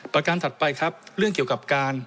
ประการถัดไปครับ